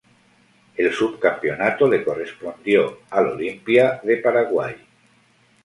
El subcampeonato le correspondió al Olimpia, de Paraguay.